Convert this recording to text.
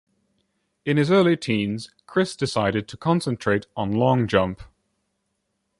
In his early teens Chris decided to concentrate on long jump.